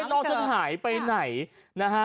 น้องจะหายไปไหน